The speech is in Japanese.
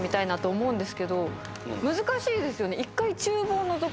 難しいですよね。